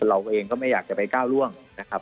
เราเองก็ไม่อยากจะไปก้าวร่วงนะครับ